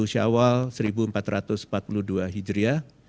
satu syawal seribu empat ratus empat puluh dua hijriah